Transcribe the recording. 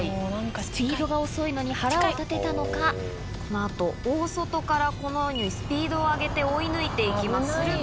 スピードが遅いのに腹を立てたのかこの後大外からスピードを上げて追い抜いていきます。